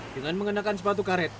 dengan mengenakan sepatu karet